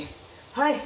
はい！